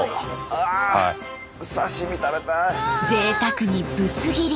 ぜいたくにぶつ切り。